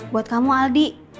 buat kamu aldi